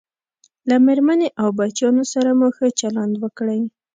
له میرمنې او بچیانو سره مو ښه چلند وکړئ